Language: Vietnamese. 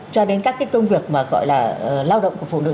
cho đến các cái công việc mà gọi là lao động của phụ nữ